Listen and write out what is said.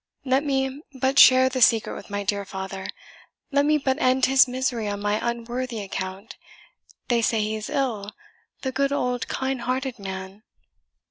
Let me but share the secret with my dear father! Let me but end his misery on my unworthy account they say he is ill, the good old kind hearted man!"